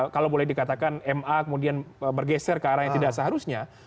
kalau boleh dikatakan ma kemudian bergeser ke arah yang tidak seharusnya